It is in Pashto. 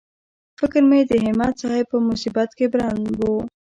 فکر مې د همت صاحب په مصیبت کې بند و.